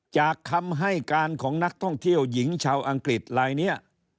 คำให้การของนักท่องเที่ยวหญิงชาวอังกฤษลายนี้